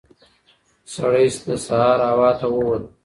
سړی د سهار هوا ته ووت.